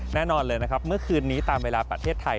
แน่นอนเลยนะครับเมื่อคืนนี้ตามเวลาประเทศไทย